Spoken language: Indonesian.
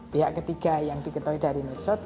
pihak ketiga yang diketahui dari medsot